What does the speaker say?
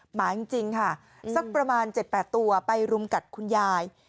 หมาจริงค่ะสักประมาณ๗๘ตัวไปรุมกัดคุณยาย